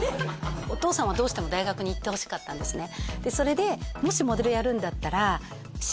お父さんはどうしても大学に行ってほしかったんですね